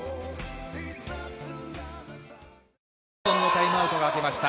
タイムアウトが明けました。